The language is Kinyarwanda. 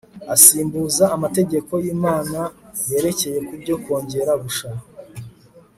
asimbuza amategeko y'imana yerekeye ku byo kongera gusha